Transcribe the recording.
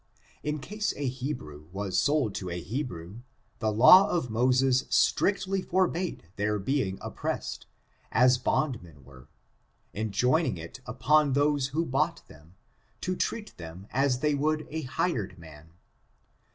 In case a Hebrew was sold to a Hebrew, the law of Mo ses strictly forbade their being oppressed, as bondmen were, enjoining it upon those who bought them, to treat them as they would a hired man.